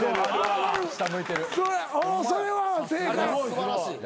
それは正解。